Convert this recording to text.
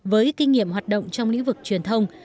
với kinh nghiệm hoạt động trong lĩnh vực truyền thông